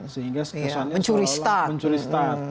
sehingga seusahanya seolah olah mencuri start